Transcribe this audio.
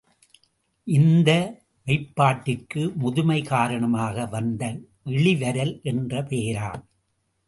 இந்த மெய்ப்பாட்டிற்கு, முதுமை காரணமாக வந்த இளிவரல் என்று பெயராம்.